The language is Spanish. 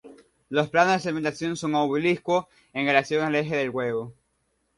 Los planos de segmentación son oblicuos en relación al eje del huevo.